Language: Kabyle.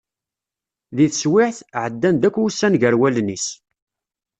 Deg teswiɛt, ɛeddan-d akk wussan gar wallen-is.